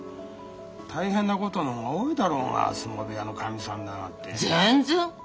大変なことの方が多いだろうが相撲部屋のかみさんだなんて。全然。